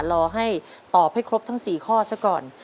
รอให้ตอบให้ครบทั้ง๔ข้อซะก่อน